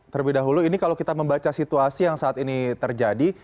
terlebih dahulu ini kalau kita membaca situasi yang saat ini terjadi